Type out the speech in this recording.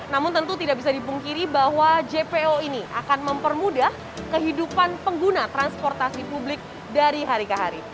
namun tentu tidak bisa dipungkiri bahwa jpo ini akan mempermudah kehidupan pengguna transportasi publik dari hari ke hari